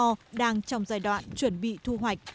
điều đứng vì cả hai xào nhò đang trong giai đoạn chuẩn bị thu hoạch